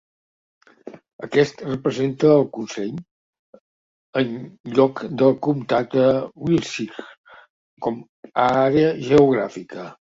Aquest representa al consell, en lloc del comtat de Wiltshire com a àrea geogràfica.